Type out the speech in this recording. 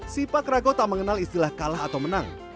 sipak rago tak mengenal istilah kalah atau menang